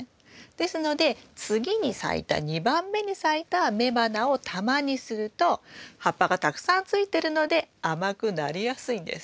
ですので次に咲いた２番目に咲いた雌花を玉にすると葉っぱがたくさんついてるので甘くなりやすいんです。